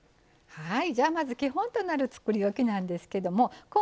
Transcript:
はい。